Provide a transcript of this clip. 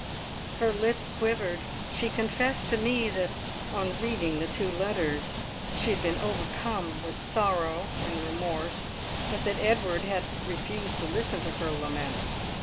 Her lips quivered. She confessed to me that, on reading the two letters, she had been overcome with sorrow and remorse, but that Edward had refused to listen to her laments.